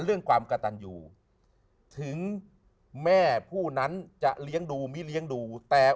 เรื่องความกระตันอยู่ถึงแม่ผู้นั้นจะเลี้ยงดูไม่เลี้ยงดูแต่